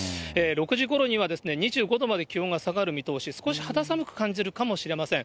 ６時ごろには、２５度まで気温が下がる見通し、少し肌寒く感じるかもしれません。